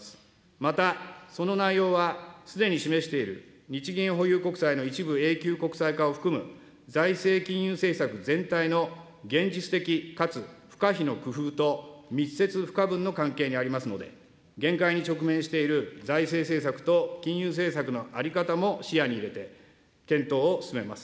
またその内容は、すでに示している日銀保有国債の一部永久国債化を含む財政金融政策全体の現実的かつ不可避の工夫と密接不可分の関係にありますので、限界に直面している財政政策と金融政策の在り方も視野に入れて、検討を進めます。